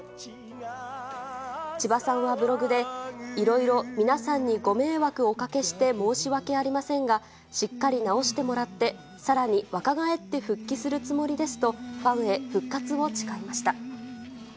ちばさんはブログで、いろいろ皆さんにご迷惑をおかけして申し訳ありませんが、しっかり治してもらって、さらに若返って復帰するつもりですと、ファンへ復活を誓いました。